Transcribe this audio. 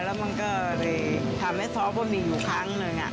แล้วมันก็เลยทำให้ซ้อบะหมี่อยู่ครั้งหนึ่ง